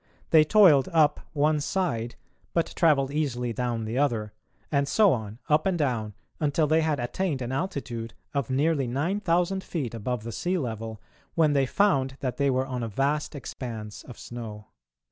They toiled up one side but travelled easily down the other, and so on, up and down, until they had attained an altitude of nearly 9000 feet above the sea level, when they found that they were on a vast expanse of snow.